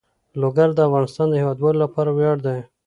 لوگر د افغانستان د هیوادوالو لپاره ویاړ دی.